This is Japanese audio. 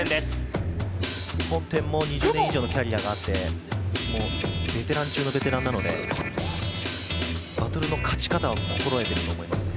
２０年以上のキャリアがあって、ベテラン中のベテランなのでバトルの勝ち方も心得ていると思いますね。